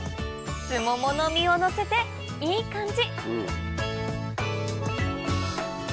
スモモの実をのせていい感じ